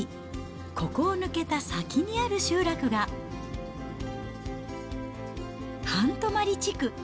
ここを抜けた先にある集落が、半泊地区。